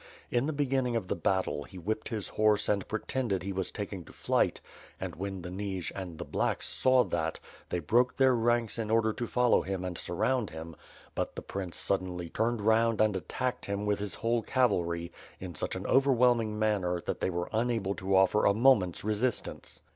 In the beginning of the battle, he whipped his horse and pre tended he was taking to flight, and when the Nij and the *T)Iacks'^ saw that, they broke their ranks in order to follow him and surround him; but the prince suddenly turned round and attacked him with his whole cavalry, in such an overwhelming manner, that they were unable to offer a mo ment's resistance.